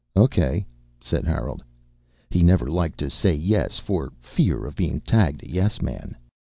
"Okay," said Harold. He never liked to say yes for fear of being tagged a yes man.